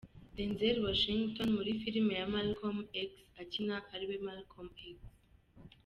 Denzel Washington muri Filime ya Malcom X akina ariwe Malcom X.